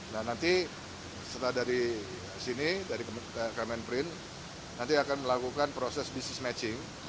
nah nanti setelah dari sini dari kemenprint nanti akan melakukan proses business matching